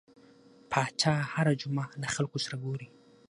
پاچا هر جمعه له خلکو سره ګوري .